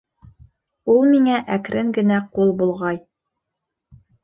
Ул миңә әкрен генә ҡул болғай.